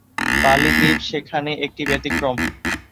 বালি দ্বীপ সেখানে একটি ব্যতিক্রম।